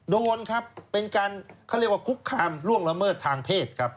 โดนครับเป็นการเขาเรียกว่าคุกคามล่วงละเมิดทางเพศครับ